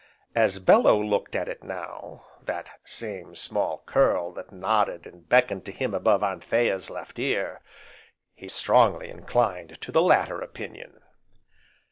As Bellew looked at it now, that same small curl that nodded and beckoned to him above Anthea's left ear, he strongly inclined to the latter opinion.